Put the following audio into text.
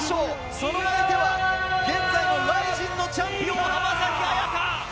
その相手は現在のＲＩＺＩＮのチャンピオン浜崎朱加！